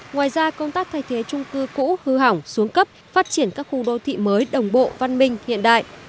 ngoài ra công tác thay thế trung cư cũ hư hỏng xuống cấp phát triển các khu đô thị mới đồng bộ văn minh hiện đại